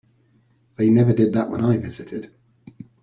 They never did that when I visited.